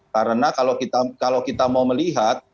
karena kalau kita mau melihat